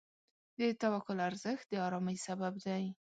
د توکل ارزښت د آرامۍ سبب دی.